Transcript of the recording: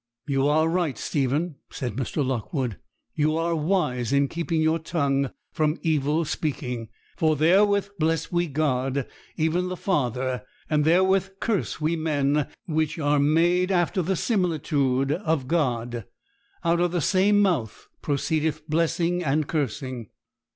'You are right, Stephen,' said Mr. Lockwood; 'you are wise in keeping your tongue from evil speaking: for "therewith bless we God, even the Father; and therewith curse we men, which are made after the similitude of God. Out of the same mouth proceedeth blessing and cursing."